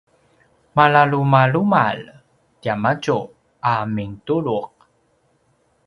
malalumalumalj tiamadju a mintulu’